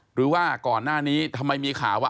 หรือว่าก่อนหน้านี้ทำไมมีข่าวว่า